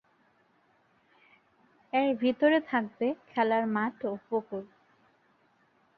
এর ভেতরে থাকবে খেলার মাঠ ও পুকুর।